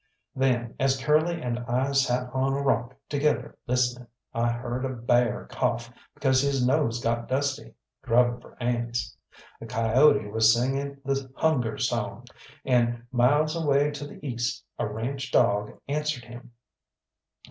Then as Curly and I sat on a rock together listening, I heard a bear cough because his nose got dusty, grubbing for ants; a coyote was singing the hunger song, and miles away to the east a ranche dog answered him.